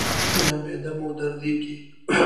ایا معده مو دردیږي؟